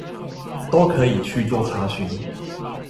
都可以去做查詢